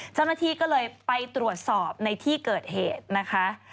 เจ้าหน้าที่ก็เลยไปตรวจสอบในที่เกิดเหตุนะคะ